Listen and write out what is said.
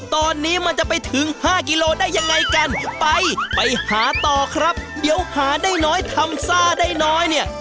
ตอนนี้มันจะไปถึง๕กิโลได้ยังไงกันไปไปหาต่อครับเดี๋ยวหาได้น้อยทำซ่าได้น้อยเนี่ย